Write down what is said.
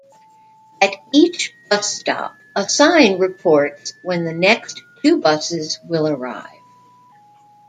At each bus stop, a sign reports when the next two buses will arrive.